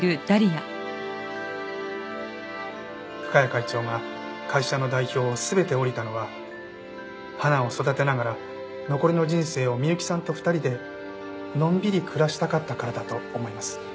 深谷会長が会社の代表を全て降りたのは花を育てながら残りの人生を美幸さんと２人でのんびり暮らしたかったからだと思います。